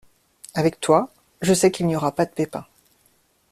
Avec toi, je sais qu’il n’y aura pas de pépins.